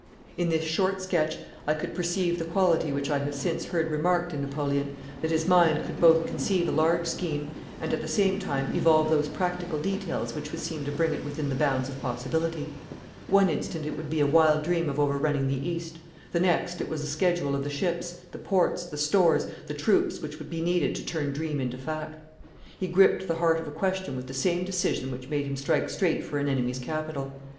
In this short sketch I could perceive the quality which I have since heard remarked in Napoleon, that his mind could both conceive a large scheme, and at the same time evolve those practical details which would seem to bring it within the bounds of possibility. One instant it would be a wild dream of overrunning the East. The next it was a schedule of the ships, the ports, the stores, the troops, which would be needed to turn dream into fact. He gripped the heart of a question with the same decision which made him strike straight for an enemy's capital.